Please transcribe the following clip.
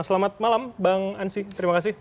selamat malam bang ansi terima kasih